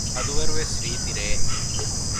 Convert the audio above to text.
ހަދުވަރުވެސް ރީތި ރެއެއް